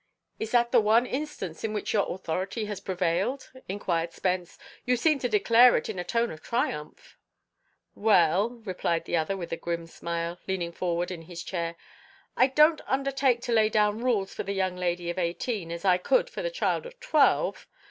"Is it the one instance in which your authority has prevailed?" inquired Spence. "You seem to declare it in a tone of triumph." "Well," replied the other, with a grim smile, leaning forward in his chair, "I don't undertake to lay down rules for the young lady of eighteen as I could for the child of twelve.